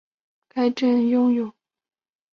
该镇拥有著名的瑞米耶日修道院废墟。